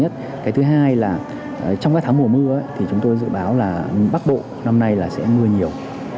cái thứ hai là trong các tháng mùa mưa thì chúng tôi dự báo là bắc bộ năm nay là sẽ mưa nhiều